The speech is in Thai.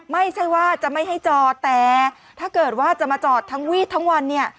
ไม่ใช่ว่าจะไม่ให้จอดแต่ถ้าเกิดว่าจะมาจอดทั้งวีดทั้งวันเนี่ย